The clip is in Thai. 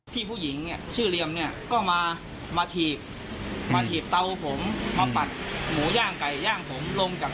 พี่ผู้หญิงเนี่ยชื่อเรียมเนี่ยก็มามาถีบมาถีบเตาผมมาปัดหมูย่างไก่ย่างผมลงจาก